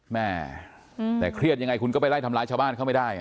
แม่แต่เครียดยังไงคุณก็ไปไล่ทำร้ายชาวบ้านเขาไม่ได้